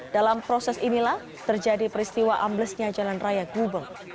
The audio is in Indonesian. dalam proses inilah terjadi peristiwa amblesnya jalan raya gubeng